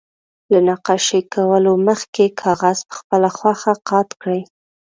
له نقاشي کولو مخکې کاغذ په خپله خوښه قات کړئ.